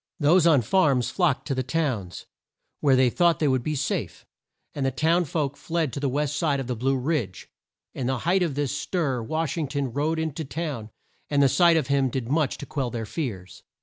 Those on farms flocked to the towns, where they thought they would be safe; and the towns folks fled to the west side of the Blue Ridge. In the height of this stir Wash ing ton rode in to town, and the sight of him did much to quell their fears.